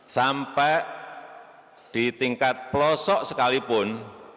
sampai di tingkat pelosok sekalipun